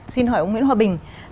xin hỏi ông nguyễn hòa bình